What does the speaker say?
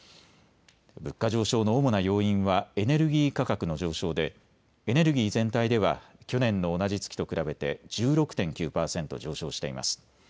物価上昇の主な要因はエネルギー価格の上昇でエネルギー全体では去年の同じ月と比べて１６．９％上昇しています。